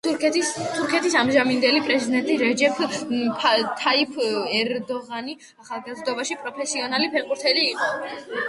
თურქეთის ამჟამინდელი პრეზიდენტი რეჯეფ თაიფ ერდოღანი ახალგაზრდობაში პროფესიონალი ფეხბურთელი იყო.